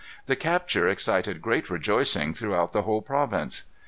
The capture excited great rejoicing throughout the whole province.